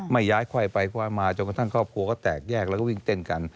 ย้ายไขว้ไปค่อยมาจนกระทั่งครอบครัวก็แตกแยกแล้วก็วิ่งเต้นกัน